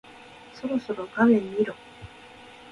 そろそろ画面見ろ。